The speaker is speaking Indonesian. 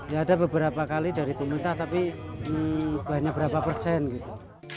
ya ada beberapa kali dari pemerintah tapi banyak berapa persen gitu